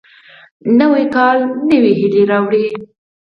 نوی کال نوې هیلې راوړي